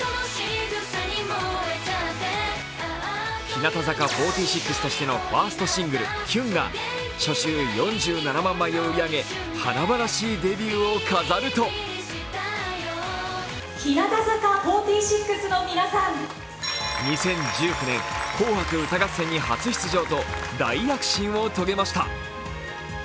日向坂４６としてのファーストシングル「キュン」が初週４７万枚を売り上げ華々しいデビューを飾ると２０１９年、「紅白歌合戦」初出場と大躍進を遂げました。